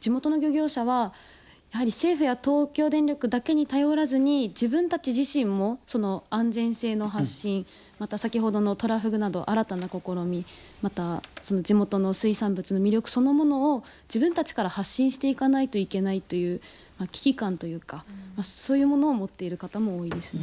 地元の漁業者は、やはり政府や東京電力だけに頼らずに自分たち自身も安全性の発信また、先ほどのトラフグなど新たな試み、また地元の水産物の魅力そのものを自分たちから発信していかないといけないという危機感というかそういうものを持っている方も多いですね。